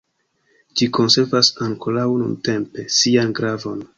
Ĝi konservas ankoraŭ, nuntempe, sian gravon.